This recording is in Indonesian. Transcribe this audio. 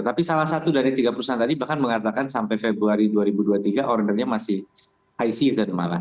tapi salah satu dari tiga perusahaan tadi bahkan mengatakan sampai februari dua ribu dua puluh tiga ordernya masih high season malah